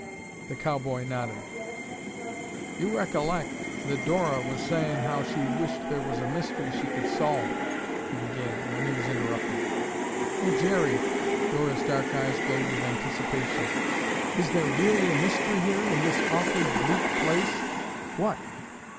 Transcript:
The cowboy nodded. "You recollect that Dora was saying how she wished there was a mystery she could solve—" he began, when he was interrupted. "Oh, Jerry," Dora's dark eyes glowed with anticipation, "is there really a mystery here—in this awfully bleak place? What?